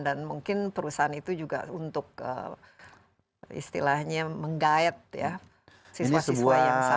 dan mungkin perusahaan itu juga untuk istilahnya meng guide ya siswa siswa yang sangat potensial